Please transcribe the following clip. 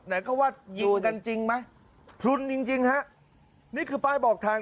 ไหนก็ว่ายิงกันจริงไหมพลุนจริงจริงฮะนี่คือป้ายบอกทาง